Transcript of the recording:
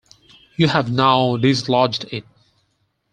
You have now dislodged it.